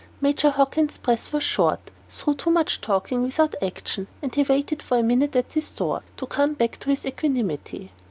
Major Hockin's breath was short, through too much talking without action, and he waited for a minute at this door, to come back to his equanimity.